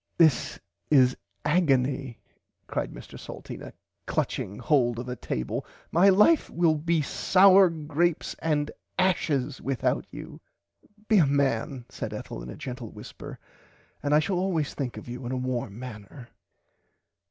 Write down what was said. This is agony cried Mr Salteena clutching hold of a table my life will be sour grapes and ashes without you. Be a man said Ethel in a gentle whisper and I shall always think of you in a warm manner.